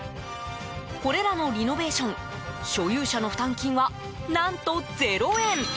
これらのリノベーション所有者の負担金は何と０円。